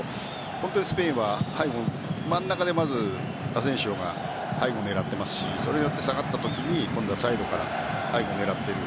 スペインは真ん中でアセンシオが背後を狙っていますしそれによって下がったときにサイドから背後を狙っている。